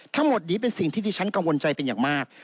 ทั้งหมดนี้เป็นสิ่งที่ดิฉันกังวลใจเป็นอย่างมาก